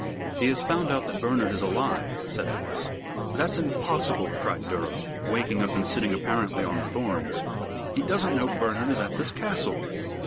"He has found out that Bernard is alive," said Alice. "That's impossible!" cried Durham, waking up and sitting apparently on thorns. "He doesn't know Bernard is at this Castle."